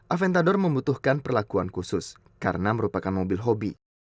aventador membutuhkan perlakuan khusus karena merupakan mobil hobi